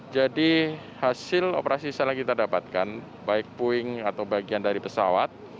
jadi hasil operasi sar yang kita dapatkan baik puing atau bagian dari pesawat